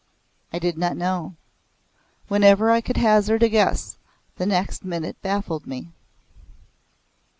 I did not know. Whenever I could hazard a guess the next minute baffled me.